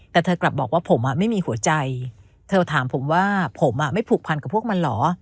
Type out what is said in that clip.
แต่เธอกลับบอกว่าผมไม่มีหัวใจเธอถามผมว่าผมไม่ผูกพันกับพวกมันเหรอ